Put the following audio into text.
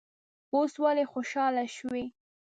اوس ولې خوشاله شوې.